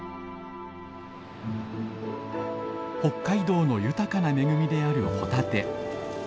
北海道の豊かな恵みであるホタテ。